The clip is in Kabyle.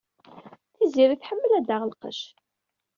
Tiziri tḥemmel ad d-taɣ lqec.